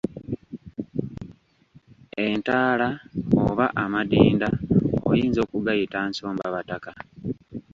Entaala oba Amadinda oyinza okugayita Nsombabataka.